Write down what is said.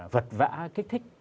vật vã kích thích